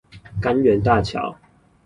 柑園大橋